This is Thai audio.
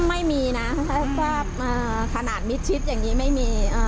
ก็ไม่มีนะถ้าขนาดมิดชิดอย่างนี้ไม่มี